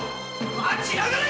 待ちやがれ‼